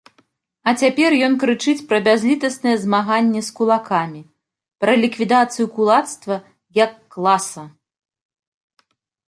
А цяпер ён крычыць пра бязлітаснае змаганне з кулакамі, пра ліквідацыю кулацтва як класа!